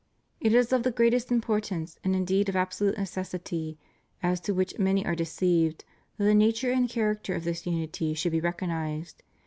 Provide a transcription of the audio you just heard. It is of the greatest importance, and indeed of absolute necessity, as to which many are de ceived, that the nature and character of this unity should be recognized.